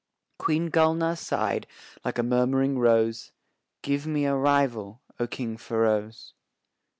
Queen Gulnaar sighed like a murmuring rose: "Give me a rival, O King Feroz."